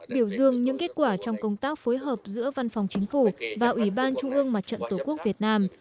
biểu dương những kết quả trong công tác phối hợp giữa văn phòng chính phủ và ủy ban trung ương mặt trận tổ quốc việt nam